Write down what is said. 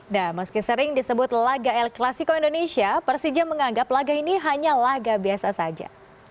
nah meski sering disebut laga el klasiko indonesia persija menganggap laga ini hanya laga biasa saja